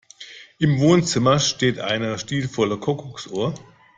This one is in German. Im Wohnzimmer steht eine stilvolle Kuckucksuhr.